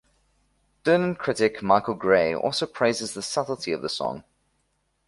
Dylan critic Michael Gray also praises the subtlety of the song.